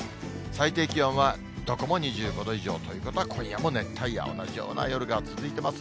最低気温はどこも２５度以上ということは、今夜も熱帯夜、同じような夜が続いています。